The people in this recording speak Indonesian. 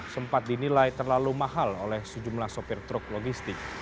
sempat dinilai terlalu mahal oleh sejumlah sopir truk logistik